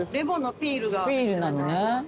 ピールなのね。